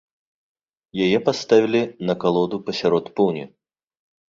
Яе паставілі на калоду пасярод пуні.